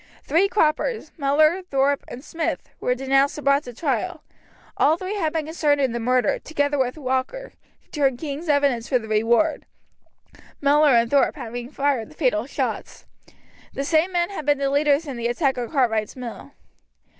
Three croppers, Mellor, Thorpe and Smith, were denounced and brought to trial. All three had been concerned in the murder, together with Walker, who turned king's evidence for the reward Mellor and Thorpe having fired the fatal shots. The same men had been the leaders in the attack on Cartwright's mill.